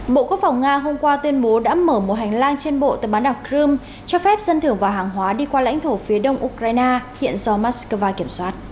bộ quốc phòng nga hôm qua tuyên bố đã mở một hành lang trên bộ tờ bán đảo crimea cho phép dân thưởng và hàng hóa đi qua lãnh thổ phía đông ukraine hiện do moscow kiểm soát